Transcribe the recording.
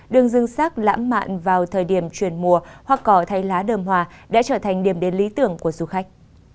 đường dương sác lãm mạn vào thời điểm truyền mùa hoặc có thay lá đơm hòa đã trở thành điểm đến lý tưởng của du khách